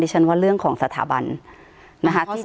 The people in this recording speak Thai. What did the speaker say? ดิฉันว่าเรื่องของสถาบันนะคะข้อสาม